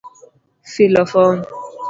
Filo fom: